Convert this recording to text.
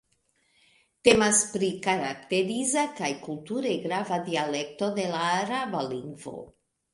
Temas pri karakteriza kaj kulture grava dialekto de la araba lingvo.